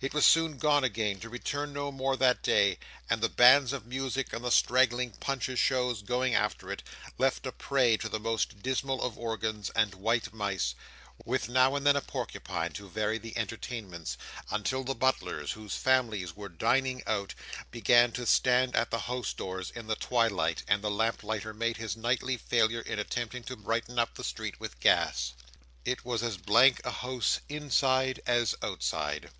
It was soon gone again to return no more that day; and the bands of music and the straggling Punch's shows going after it, left it a prey to the most dismal of organs, and white mice; with now and then a porcupine, to vary the entertainments; until the butlers whose families were dining out, began to stand at the house doors in the twilight, and the lamp lighter made his nightly failure in attempting to brighten up the street with gas. It was as blank a house inside as outside.